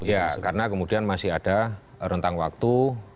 ya karena kemudian masih ada rentang waktu